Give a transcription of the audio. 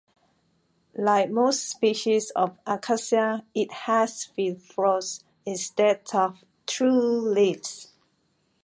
Like most species of "Acacia" it has phyllodes instead of true leaves.